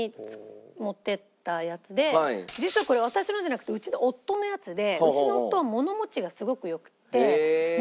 実はこれ私のじゃなくてうちの夫のやつでうちの夫は物持ちがすごく良くて。